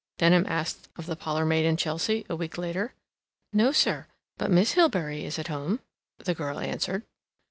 Denham asked, of the parlor maid in Chelsea, a week later. "No, sir. But Miss Hilbery is at home," the girl answered.